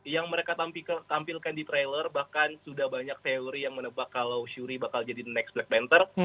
yang mereka tampilkan di trailer bahkan sudah banyak teori yang menebak kalau syuri bakal jadi next black panther